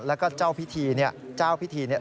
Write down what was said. และเจ้าพิธีนี่จะพิธีนี่